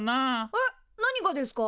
えっ何がですか？